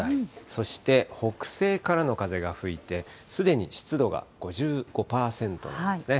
そして北西からの風が吹いて、すでに湿度が５５％なんですね。